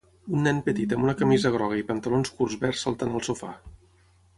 Un nen petit amb una camisa groga i pantalons curts verds saltant al sofà.